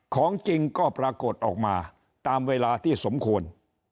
ของจริงก็ปรากฏออกมาตามเวลาที่สมควร